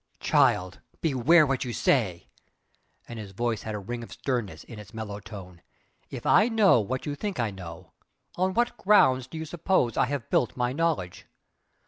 "Child, beware what you say!" and his voice had a ring of sternness in its mellow tone "If I know what you think I know, on what ground do you suppose I have built my knowledge?